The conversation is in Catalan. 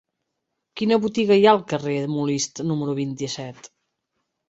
Quina botiga hi ha al carrer de Molist número vint-i-set?